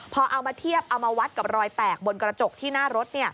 พอเอามาเทียบเอามาวัดกับรอยแตกบนกระจกที่หน้ารถ